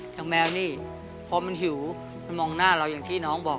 แมวนี่พอมันหิวมันมองหน้าเราอย่างที่น้องบอก